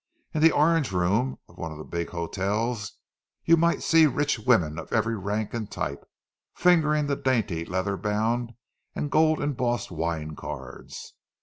In the "orange room" of one of the big hotels, you might see rich women of every rank and type, fingering the dainty leather bound and gold embossed wine cards.